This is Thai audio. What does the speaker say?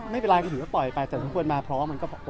ไม่เป็นไรก็ถึงจะปล่อยไปเตรียมทุกคนมาเพราะว่ามันก็โอเคแล้ว